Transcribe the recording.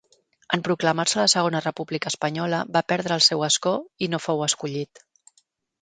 En proclamar-se la Segona República Espanyola va perdre el seu escó i no fou escollit.